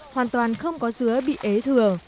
hoàn toàn không có dứa bị ế thừa